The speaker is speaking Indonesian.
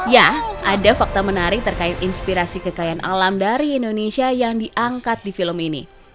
ya ada fakta menarik terkait inspirasi kekayaan alam dari indonesia yang diangkat di film ini